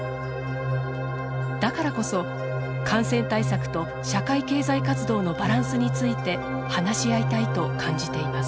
だからこそ感染対策と社会経済活動のバランスについて話し合いたいと感じています。